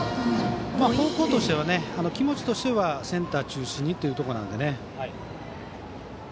方向として気持ちとしてはセンター中心にということで。